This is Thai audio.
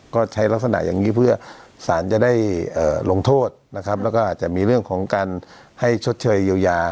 ก็ใช้ลักษณะอย่างนี้เพื่อสารจะได้ลงโทษนะครับแล้วก็อาจจะมีเรื่องของการให้ชดเชยเยียวยา